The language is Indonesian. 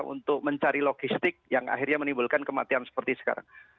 untuk mencari logistik yang akhirnya menimbulkan kematian seperti sekarang